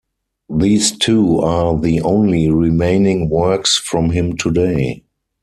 These two are the only remaining works from him today.